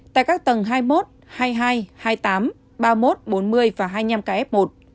tại các tầng hai mươi một hai mươi hai hai mươi tám ba mươi một bốn mươi và hai mươi năm k f một